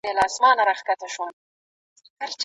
ټولنپوهنه یوه ځانګړې علمي موضوع ده.